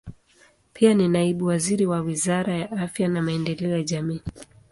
Pia ni naibu waziri wa Wizara ya Afya na Maendeleo ya Jamii.